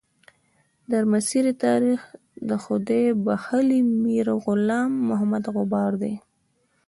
درمسیر تاریخ د خدای بخښلي میر غلام محمد غبار دی.